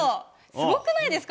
すごくないですか？